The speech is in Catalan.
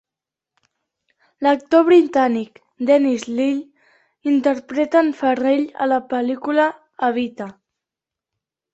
L'actor britànic Denis Lill interpreta en Farrell a la pel·lícula "Evita".